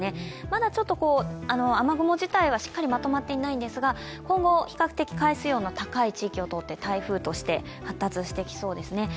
まだちょっと雨雲自体はしっかりまとまっていないんですが今後、比較的海水温の高い地域を通って台風として発達してきそうですね。